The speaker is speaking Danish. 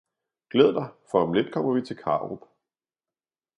Glæd dig for om lidt kommer vi til Karup